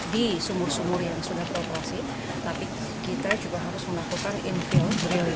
di sumur sumur yang sudah beroperasi tapi kita juga harus melakukan in fill drilling